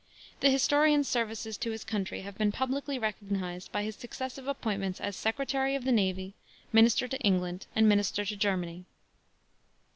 The historian's services to his country have been publicly recognized by his successive appointments as Secretary of the Navy, Minister to England, and Minister to Germany.